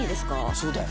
「そうだよ」